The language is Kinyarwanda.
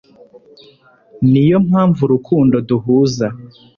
niyo mpamvu urukundo duhuza